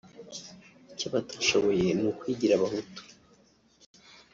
icyo batashoboye ni ukwigira abahutu